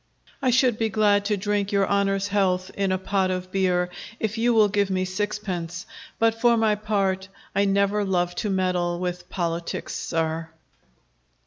I should be glad to drink your honor's health in A pot of beer, if you will give me sixpence; But for my part, I never love to meddle With politics, sir.